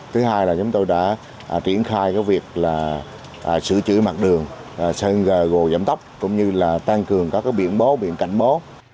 thứ hai là chúng tôi đã triển khai việc sử trữ mặt đường sân gồ giảm tóc cũng như là tăng cường các biển bó biển cảnh bó